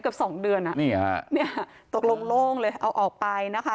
สองเดือนอ่ะนี่ฮะเนี่ยตกลงโล่งเลยเอาออกไปนะคะ